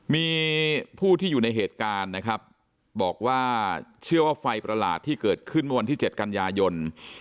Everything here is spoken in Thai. มีผู้ที่อยู่ในเหตุการณ์นะครับบอกว่าเชื่อว่าไฟประหลาดที่เกิดขึ้นเมื่อวันที่๗กันยายน